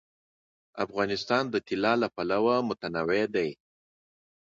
افغانستان د طلا له پلوه متنوع دی.